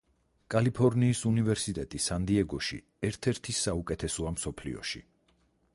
კალიფორნიის უნივერსიტეტი სან-დიეგოში ერთ-ერთი საუკეთესოა მსოფლიოში.